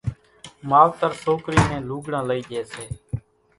ماوتر سوڪرِي نين لوڳڙان لئِي ڄي سي